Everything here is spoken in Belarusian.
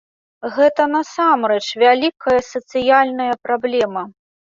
Гэта насамрэч вялікая сацыяльная праблема.